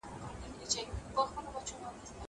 زه به اوږده موده مړۍ خوړلي وم.